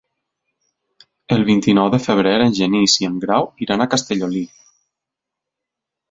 El vint-i-nou de febrer en Genís i en Grau iran a Castellolí.